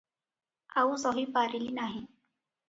ଆଉ ସହି ପାରିଲି ନାହିଁ ।